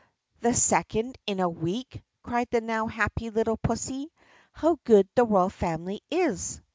"The second in a week!" cried the now happy little pussy. "How good the royal family is."